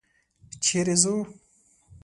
چېرې ځو؟